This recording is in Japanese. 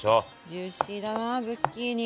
ジューシーだなズッキーニ。